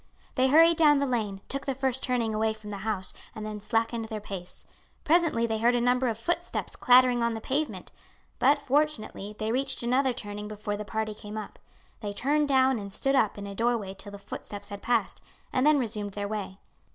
They hurried down the lane, took the first turning away from the house, and then slackened their pace. Presently they heard a number of footsteps clattering on the pavement; but fortunately they reached another turning before the party came up. They turned down and stood up in a doorway till the footsteps had passed, and then resumed their way.